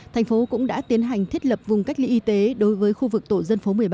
thành phố cũng đã tiến hành thiết lập vùng cách ly y tế đối với khu vực tổ dân phố một mươi ba